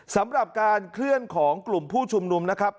สำหรับการเคลื่อนของกลุ่มผู้ชุมนุมนะครับ